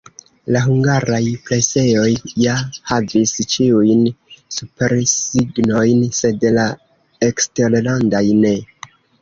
La hungaraj presejoj ja havis ĉiujn supersignojn, sed la eksterlandaj ne.